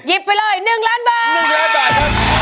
ยิบไปเลย๑ล้านบาท